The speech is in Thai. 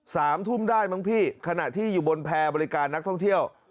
สามทุ่มได้มั้งพี่ขณะที่อยู่บนแพร่บริการนักท่องเที่ยว